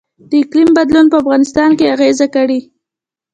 د اقلیم بدلون په افغانستان اغیز کړی؟